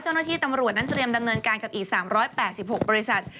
เจ้าหน้าที่ตำรวจนั้นเตรียมดำเนินการกับอีก๓๘๖บริษัท